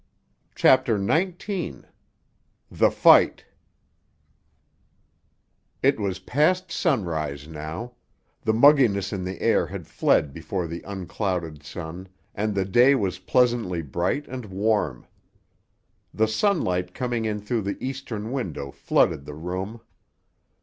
CHAPTER XIX—THE FIGHT It was past sunrise now; the mugginess in the air had fled before the unclouded sun, and the day was pleasantly bright and warm. The sunlight coming in through the eastern window flooded the room.